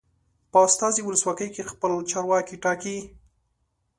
په استازي ولسواکۍ کې خلک چارواکي ټاکي.